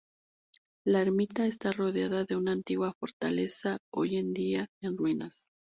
La ermita está rodeada de una antigua fortaleza hoy en día en ruinas.